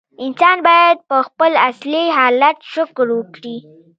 انسان باید په خپل اصلي حالت شکر وکړي.